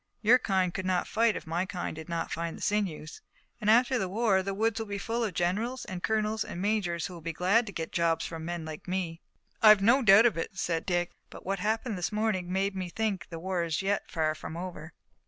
Your kind could not fight if my kind did not find the sinews, and after the war the woods will be full of generals, and colonels and majors who will be glad to get jobs from men like me." "I've no doubt of it," said Dick, "but what happened this morning made me think the war is yet far from over."